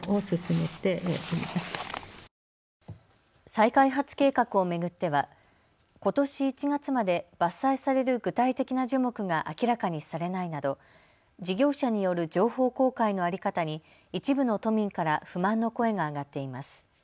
再開発計画を巡ってはことし１月まで伐採される具体的な樹木が明らかにされないなど事業者による情報公開の在り方に一部の都民から不満の声が上がっています。